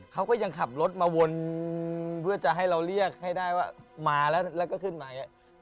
เขาก็ยังขับรถมาวนเพื่อจะให้เราเรียกให้ได้ว่ามาแล้วแล้วก็ขึ้นมาอย่างนี้